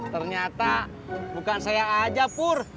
ternyata bukan saya aja pur